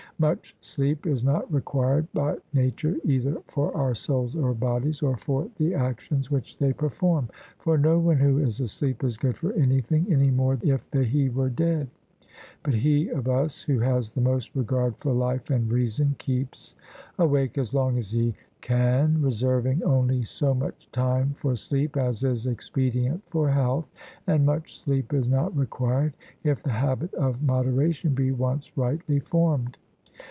Much sleep is not required by nature, either for our souls or bodies, or for the actions which they perform. For no one who is asleep is good for anything, any more than if he were dead; but he of us who has the most regard for life and reason keeps awake as long as he can, reserving only so much time for sleep as is expedient for health; and much sleep is not required, if the habit of moderation be once rightly formed.